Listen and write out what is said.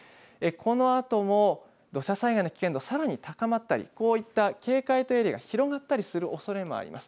このあとも土砂災害の危険度、さらに高まったりこういった警戒というエリアが広がったりするおそれもあります。